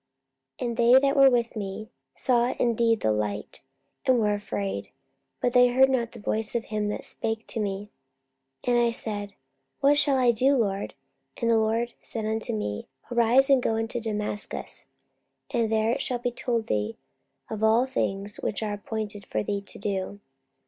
44:022:009 And they that were with me saw indeed the light, and were afraid; but they heard not the voice of him that spake to me. 44:022:010 And I said, What shall I do, LORD? And the Lord said unto me, Arise, and go into Damascus; and there it shall be told thee of all things which are appointed for thee to do.